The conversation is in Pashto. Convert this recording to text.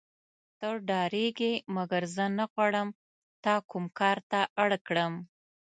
ته ډارېږې مګر زه نه غواړم تا کوم کار ته اړ کړم.